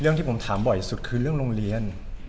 ที่ผมถามบ่อยสุดคือเรื่องโรงเรียน